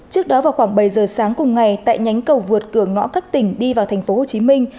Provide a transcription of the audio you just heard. trước đó vào khoảng bảy giờ sáng cùng ngày tại nhánh cầu vượt cửa ngõ các tỉnh đi vào thành phố hồ chí minh